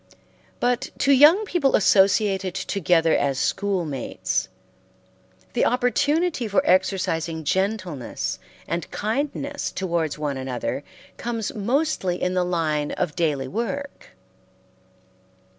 But to young people associated together as schoolmates, the opportunity for exercising gentleness and kindness towards one another comes mostly in the line of daily work.